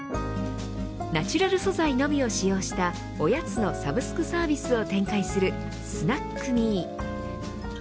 ナチュラル素材のみを使用したおやつのサブスクサービスを展開するスナックミー。